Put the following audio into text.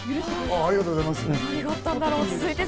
ありがとうございます。